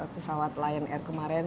pesawat lion air kemarin